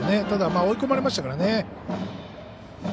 ただ、追い込まれましたからね。